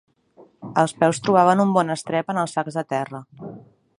Els peus trobaven un bon estrep en els sacs de terra